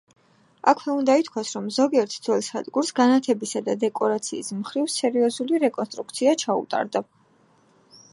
აქვე უნდა ითქვას, რომ ზოგიერთ ძველ სადგურს განათებისა და დეკორაციის მხრივ სერიოზული რეკონსტრუქცია ჩაუტარდა.